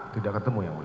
tidak ketemu ya